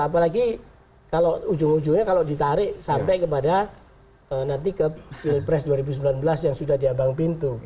apalagi kalau ujung ujungnya kalau ditarik sampai kepada nanti ke pilpres dua ribu sembilan belas yang sudah diambang pintu